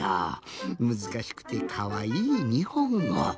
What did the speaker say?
むずかしくてかわいいにほんご。